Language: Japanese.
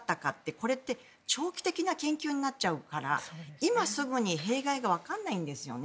これって長期的な研究になっちゃうから今すぐに弊害がわからないんですよね。